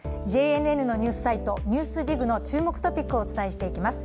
ＪＮＮのニュースサイト、「ＮＥＷＳＤＩＧ」の注目トピックをお伝えしていきます。